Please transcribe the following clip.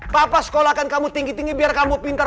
papa sekolahkan kamu tinggi tinggi biar kamu pintar